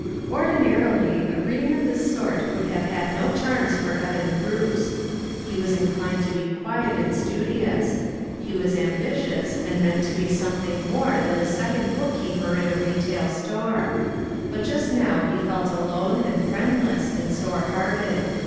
ORDINARILY, a greeting of this sort would have had no charms for Eben Bruce. He was inclined to be quiet and studious. He was ambitious, and meant to be something more than a second book keeper in a retail store. But just now lie felt alone, and friendless, and sore hearted.